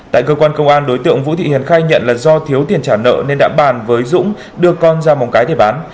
tại cơ quan công an đối tượng vũ thị hiền khai nhận là do thiếu tiền trả nợ nên đã bàn với dũng đưa con ra móng cái để bán